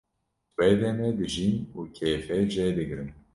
wê demê dijîm û kêfê jê digrim